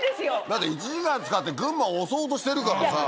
だって１時間使って群馬推そうとしてるからさ。